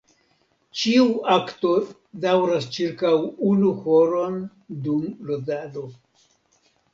Ĉiu akto daŭras ĉirkaŭ unu horon dum ludado.